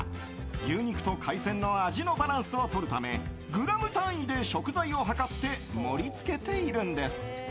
牛肉と海鮮の味のバランスをとるためグラム単位で食材を量って盛り付けているんです。